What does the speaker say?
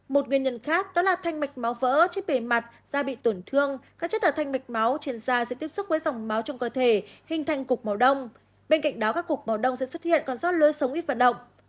một nguyên nhân khác đó là thanh mạch máu vỡ trên bề mặt da bị tổn thương các chất ở thanh mạch máu trên da sẽ tiếp xúc với dòng máu trong cơ thể hình thành cục máu đông bên cạnh đó các cục máu đông sẽ xuất hiện còn rốt lưới sống ít và động